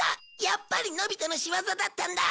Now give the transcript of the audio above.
やっぱりのび太の仕業だったんだ！